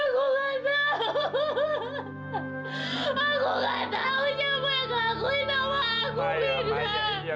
sampai jumpa di video selanjutnya